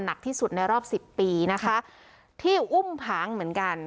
หนักที่สุดในรอบสิบปีนะคะที่อุ้มผางเหมือนกัน